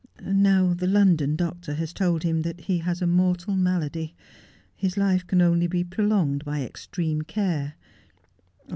And now the London doctor has told him that he has a mortal malady. His life can only be prolonged by extreme care.